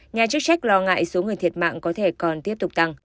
nhà chức trách lo ngại số người thiệt mạng có thể còn tiếp tục tăng